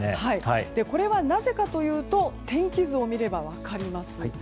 なぜかというと天気図を見れば分かります。